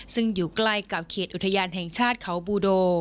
ซึ่งอยู่ใกล้กับเขตอุทยานแห่งชาติเขาบูโด